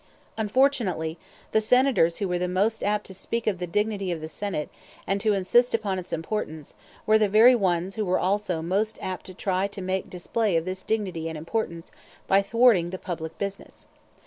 Unfortunately the Senators who were most apt to speak of the dignity of the Senate, and to insist upon its importance, were the very ones who were also most apt to try to make display of this dignity and importance by thwarting the public business.